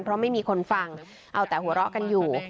เพราะไม่มีคนฟังเอาแต่หัวเราะกันอยู่